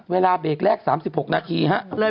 เวลาเบรกแรก๓๖นาทีฮะ